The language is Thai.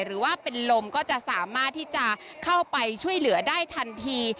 หรือว่าเป็นลมก็จะสามารถที่จะเข้าไปช่วยเหลือได้ทันที